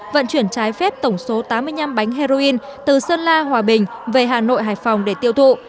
vận chuyển trái phép tổng số tám mươi năm bánh heroin từ sơn la hòa bình về hà nội hải phòng để tiêu thụ